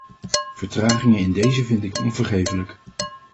Vertragingen in deze vind ik onvergeeflijk.